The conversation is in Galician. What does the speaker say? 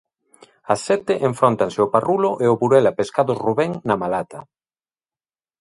Ás sete enfróntanse o Parrulo e o Burela Pescados Rubén na Malata.